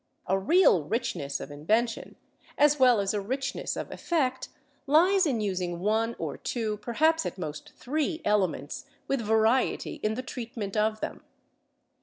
A real richness of invention, as well as a richness of effect, lies in using one or two, perhaps at most three, elements, with variety in the treatment of them.